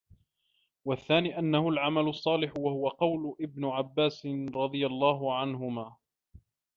وَالثَّانِي أَنَّهُ الْعَمَلُ الصَّالِحُ وَهُوَ قَوْلُ ابْنِ عَبَّاسٍ رَضِيَ اللَّهُ عَنْهُمَا